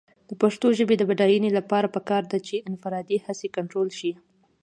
د پښتو ژبې د بډاینې لپاره پکار ده چې انفرادي هڅې کنټرول شي.